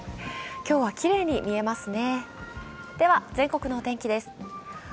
今日はきれいに見えますね。